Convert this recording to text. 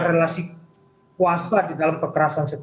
relasi kuasa di dalam kekerasan